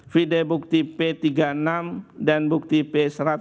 video bukti p tiga puluh enam dan bukti p satu ratus enam puluh